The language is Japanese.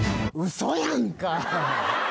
嘘やんか。